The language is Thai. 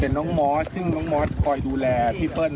น้องมอสซึ่งน้องมอสคอยดูแลพี่เปิ้ล